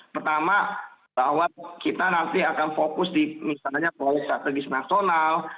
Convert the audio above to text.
pertama bahwa kita nanti akan fokus di misalnya proyek strategis nasional